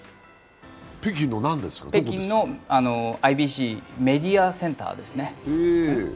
北京のＩＢＣ＝メディアセンターですね。